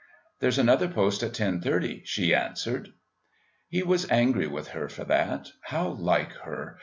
"There's another post at ten thirty," she answered. He was angry with her for that. How like her!